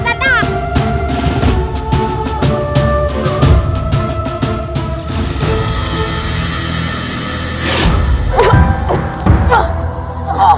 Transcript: itu ketepangan yang bernama hatuk